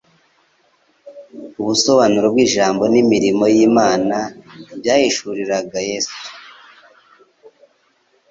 Ubusobanuro bw'Ijambo n'imirimo y'Imana byahishukiraga Yesu,